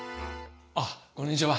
あっこんにちは。